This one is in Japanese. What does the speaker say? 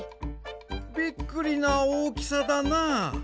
びっくりなおおきさだな！